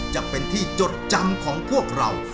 จะเป็นที่จดจำของพวกเรา